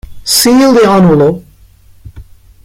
Seal the envelope.